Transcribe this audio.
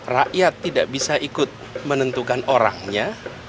rakyat tidak bisa ikut menentukan orangnya